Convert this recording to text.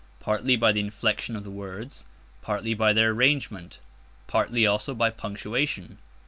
Partly by the inflection of the words; partly by their arrangement; partly also by punctuation.